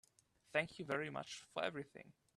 Thank you very much for everything.